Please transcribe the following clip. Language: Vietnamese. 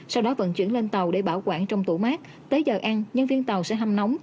sau đó vận chuyển lên tàu để bảo quản trong tủ mát tới giờ ăn nhân viên tàu sẽ hâm nóng